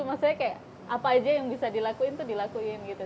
maksudnya kayak apa aja yang bisa dilakuin tuh dilakuin gitu